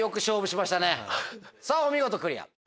さぁお見事クリア。